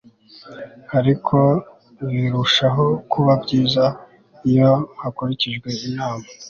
ariko birushaho kuba byiza iyo hakurikijwe inama